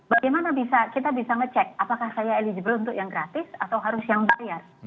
bagaimana kita bisa ngecek apakah saya eligible untuk yang gratis atau harus yang bayar